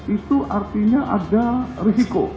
itu artinya ada risiko